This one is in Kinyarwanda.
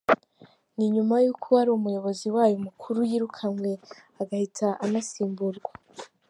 Ni nyuma y’uko uwari umuyobozi wayo mukuru yirukanywe agahita anasimbuzwa.